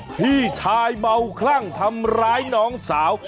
พี่ชายเมาคลั่งทำร้ายน้องสาว